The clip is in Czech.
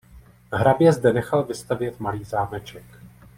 Hrabě zde nechal vystavět malý zámeček.